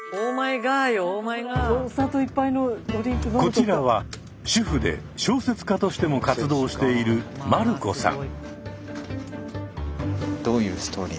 こちらは主婦で小説家としても活動している丸子さん。